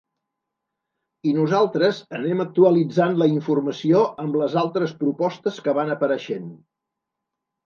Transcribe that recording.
I nosaltres anem actualitzant la informació amb les altres propostes que van apareixent.